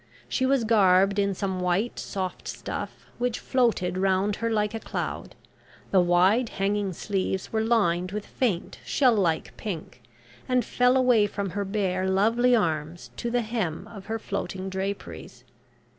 She was garbed in some white soft stuff, which floated round her like a cloud, the wide hanging sleeves were lined with faint shell like pink, and fell away from her bare lovely arms to the hem of her floating draperies.